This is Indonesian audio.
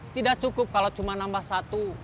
tidak cukup kalau cuma nambah satu